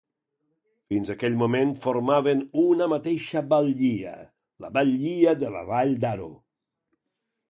Fins aquell moment formaven una mateixa batllia, la batllia de la Vall d'Aro.